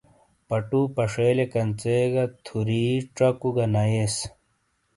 پٹو ، پشیلٸے کنژے گہ تھُوری ژکوگہ نٸیس